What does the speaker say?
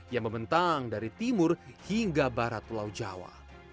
yang membentang dari timur hingga barat pulau jawa